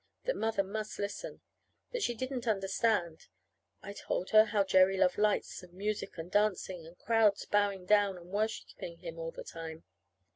That Mother must listen. That she didn't understand. I told her how Jerry loved lights and music and dancing, and crowds bowing down and worshiping him all the time.